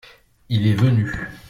il est venu.